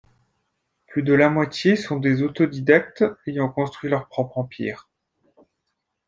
Plus de la moitié sont des autodidactes ayant construit leur propre empire.